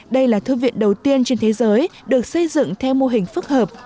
đây là thư viện đầu tiên trên thế giới được xây dựng theo mô hình phức hợp